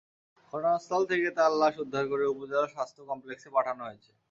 ঘটনাস্থল থেকে তাঁর লাশ উদ্ধার করে উপজেলা স্বাস্থ্য কমপ্লেক্সে পাঠানো হয়েছে।